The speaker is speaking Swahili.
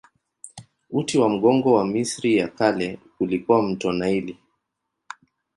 Uti wa mgongo wa Misri ya Kale ulikuwa mto Naili.